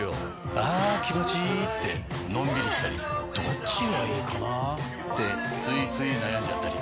あ気持ちいいってのんびりしたりどっちがいいかなってついつい悩んじゃったり。